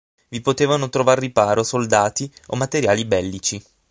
Vi potevano trovar riparo soldati o materiali bellici.